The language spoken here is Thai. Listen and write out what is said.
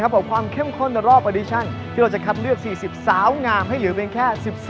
อย่ามาเล่นนะคะ